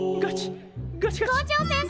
校長先生！